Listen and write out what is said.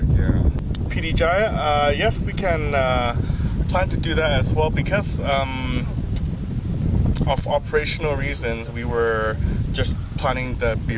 pdi jaya ya kami bisa berharap untuk melakukan itu juga karena karena alasan operasional kami hanya berharap untuk mencari wilayah yang terkena dampak gempa